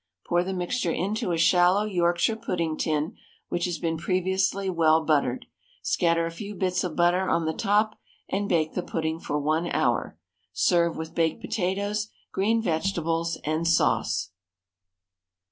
Pour the mixture into a shallow Yorkshire pudding tin, which has been previously well buttered. Scatter a few bits of butter on the top, and bake the pudding for 1 hour. Serve with baked potatoes, green vegetables, and sauce.